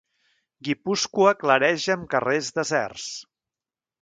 Guipúscoa clareja amb carrers deserts.